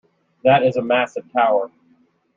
That is a massive tower!.